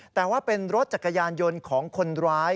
แต่ว่าเป็นรถจักรยานยนต์ของคนร้าย